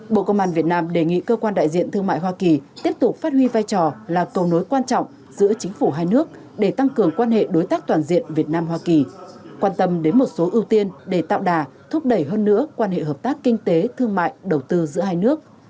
bộ công an việt nam đề nghị cơ quan đại diện thương mại hoa kỳ tiếp tục phát huy vai trò là cầu nối quan trọng giữa chính phủ hai nước để tăng cường quan hệ đối tác toàn diện việt nam hoa kỳ quan tâm đến một số ưu tiên để tạo đà thúc đẩy hơn nữa quan hệ hợp tác kinh tế thương mại đầu tư giữa hai nước